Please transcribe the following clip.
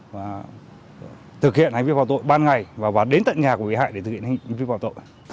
và thực hiện hành vi phạm tội ban ngày và đến tận nhà của bị hại để thực hiện hành vi phạm tội